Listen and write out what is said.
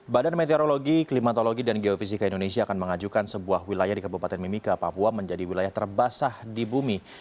badan meteorologi klimatologi dan geofisika indonesia akan mengajukan sebuah wilayah di kabupaten mimika papua menjadi wilayah terbasah di bumi